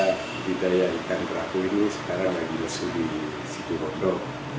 budidaya ikan teraku ini sekarang lagi masuk di situ bondo